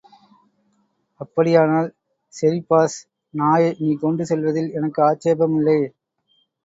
அப்படியானால் செரிபாஸ் நாயை நீ கொண்டு செல்வதில் எனக்கு ஆட்சேபமில்லை.